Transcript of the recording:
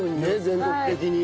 全国的に。